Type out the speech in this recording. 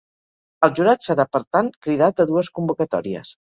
El jurat serà, per tant, cridat a dues convocatòries.